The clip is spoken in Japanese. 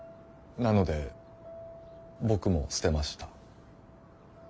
なので僕も捨てました。